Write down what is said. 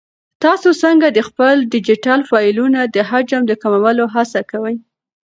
تاسو څنګه د خپلو ډیجیټل فایلونو د حجم د کمولو هڅه کوئ؟